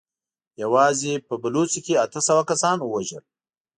يواځې په بلوڅو کې يې اته سوه کسان ووژل.